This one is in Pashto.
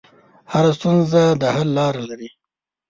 هره ستونزه د حل لاره لري.